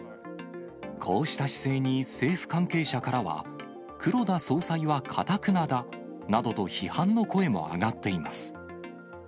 こうした姿勢に、政府関係者からは、黒田総裁はかたくなだなどと批判の声も上がっています。